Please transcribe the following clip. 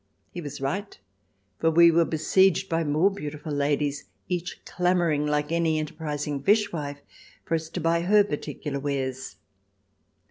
He was right, for we were besieged by more beautiful ladies, each clamouring, like any enterprising fish wife, for us to buy her particular wares.